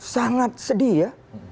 sangat sedih ya